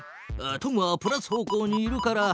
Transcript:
トムはプラス方向にいるから。